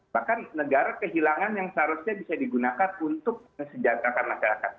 bahkan negara kehilangan yang seharusnya bisa digunakan untuk mesejahterakan masyarakat